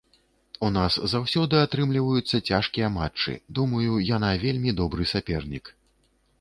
У нас заўсёды атрымліваюцца цяжкія матчы, думаю, яна вельмі добры сапернік.